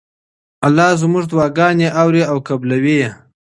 الله زموږ دعاګانې اوري او قبلوي یې.